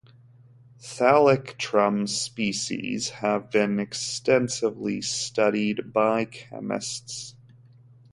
"Thalictrum" species have been extensively studied by chemists.